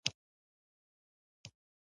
په بدن کې ژر تخریب نشي.